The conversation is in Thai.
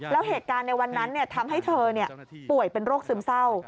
แล้วเหตุการณ์ในวันนั้นทำให้เธอป่วยเป็นโรคซึมเศร้า